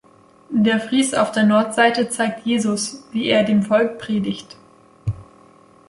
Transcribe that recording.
Der Fries auf der Nordseite zeigt Jesus, wie er dem Volk predigt.